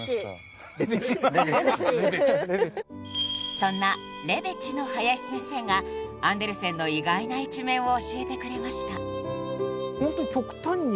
［そんなレベチの林先生がアンデルセンの意外な一面を教えてくれました］